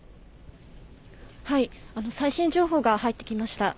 最新情報が入ってきました。